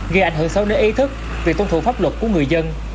gây ảnh hưởng sâu đến ý thức việc tôn thủ pháp luật của người dân